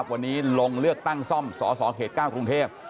วันนี้ลงเลือกตั้งซ่อมสสเขต๙กรุงเทพ